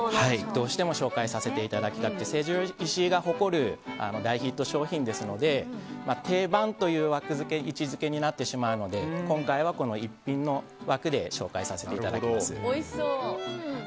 どうしても紹介させていただきたくて成城石井が誇る大ヒット商品ですので定番という位置づけになってしまうので今回は逸品の枠で紹介させていただきます。